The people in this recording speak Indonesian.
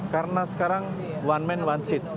karena sekarang one man one seat